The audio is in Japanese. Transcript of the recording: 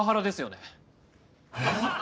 えっ？